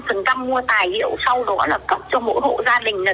sau đó là cho mỗi hộ gia đình được năm triệu tiền phòng chống dịch covid là chủ hộ lên nhận